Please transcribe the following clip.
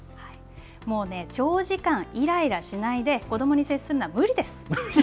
もう長時間いらいらしないで、子どもに接するのは無理です。